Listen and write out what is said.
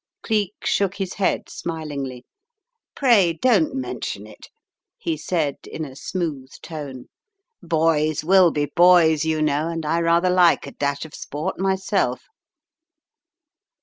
Cleek shook his head smilingly. "Pray don't mention it," he said in a smooth tone. "Boys will be boys, you know, and I rather like a dash of sport myself."